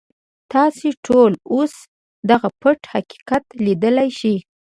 تاسې ټول اوس دغه پټ حقیقت ليدلی شئ.